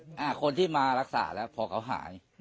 อ่าคนที่มารักษาแล้วพอเขาหาย